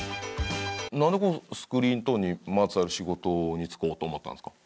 なんでこのスクリーントーンにまつわる仕事に就こうと思ったんですか？